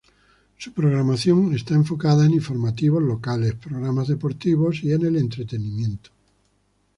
Su programación está enfocada en informativos locales, programas deportivos y en el entretenimiento.